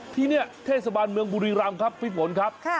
ที่นี่เทศบันเมืองบุรีรัมพ์ครับฟิฝนครับ